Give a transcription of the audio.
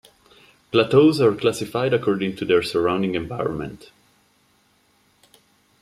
Plateaus are classified according to their surrounding environment.